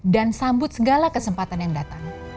dan sambut segala kesempatan yang datang